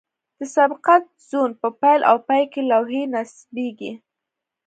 د سبقت زون په پیل او پای کې لوحې نصبیږي